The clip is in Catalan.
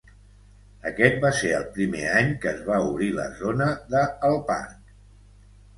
Aquest va ser el primer any que es va obrir la zona de "El Parc".